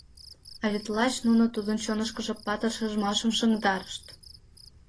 А вет лач нуно тудын чонышкыжо патыр шижмашым шыҥдарышт.